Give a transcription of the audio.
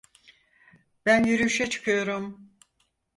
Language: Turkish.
Ben yürüyüşe çıkıyorum.